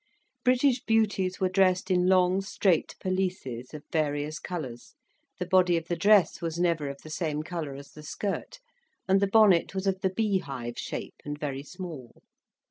British beauties were dressed in long, strait pelisses of various colours; the body of the dress was never of the same colour as the skirt; and the bonnet was of the bee hive shape, and very small.